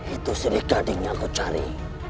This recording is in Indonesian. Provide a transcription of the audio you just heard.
itu silih gading yang aku cari